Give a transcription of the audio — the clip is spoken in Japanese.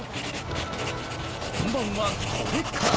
本番はこれから。